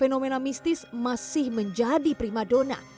fenomena mistis masih menjadi prima dona